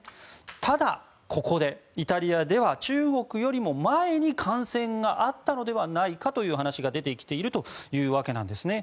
ただ、ここでイタリアでは中国より前に感染があったのではないかという話が出てきているというわけなんですね。